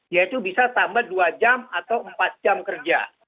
yaitu bisa tambah dua jam atau empat jam kerja